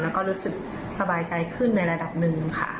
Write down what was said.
แล้วก็รู้สึกสบายใจขึ้นในระดับหนึ่งค่ะ